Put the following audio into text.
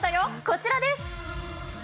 こちらです！